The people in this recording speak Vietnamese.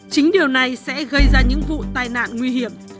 chính điều này sẽ gây ra những vụ tai nạn nguy hiểm